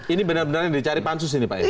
ini benar benarnya dicari pansus ini pak edi